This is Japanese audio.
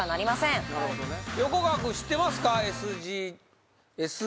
横川君知ってますか？